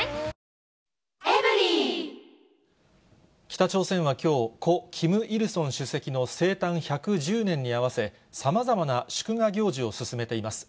北朝鮮はきょう、故・キム・イルソン主席の生誕１１０年に合わせ、さまざまな祝賀行事を進めています。